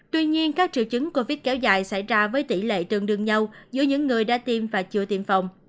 tuy nhiên các triệu chứng covid kéo dài xảy ra với tỷ lệ tương đương nhau giữa những người đã tiêm và chưa tiêm phòng